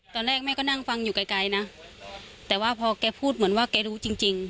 ตอนแรกแม่ก็นั่งฟังอยู่ไกลไกลนะแต่ว่าพอแกพูดเหมือนว่าแกรู้จริงจริง